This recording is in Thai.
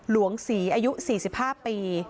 หลวงศรีอายุ๔๕ปี